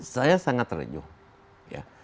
saya sangat terenuh ya